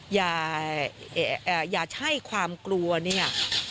อย่าใช้ความกลัวเนี่ย